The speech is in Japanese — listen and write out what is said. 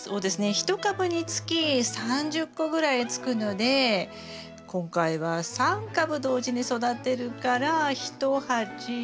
１株につき３０個ぐらいつくので今回は３株同時に育てるから１鉢。